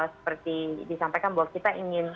seperti disampaikan bahwa kita ingin